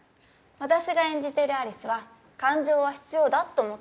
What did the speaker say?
私が演じてるアリスは感情は必要だって思っている。